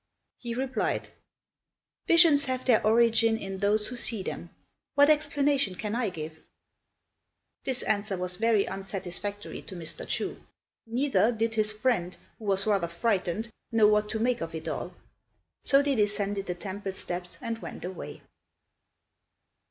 He replied, "Visions have their origin in those who see them: what explanation can I give?" This answer was very unsatisfactory to Mr. Chu; neither did his friend, who was rather frightened, know what to make of it all; so they descended the temple steps and went away.